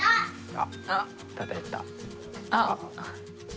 あっ！